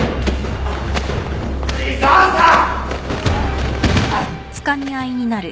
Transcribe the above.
井沢さん！